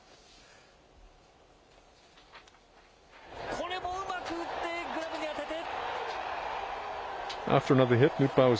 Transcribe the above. これもうまく打って、グラブに当てて。